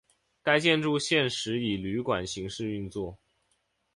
该建筑现时以旅馆形式运作。